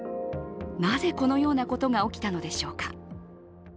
なぜ、このようなことが起きたのでしょうか。